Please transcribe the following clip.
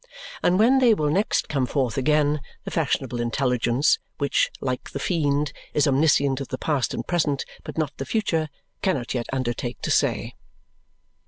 And when they will next come forth again, the fashionable intelligence which, like the fiend, is omniscient of the past and present, but not the future cannot yet undertake to say.